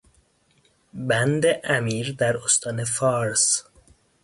بند امیر در استان فارس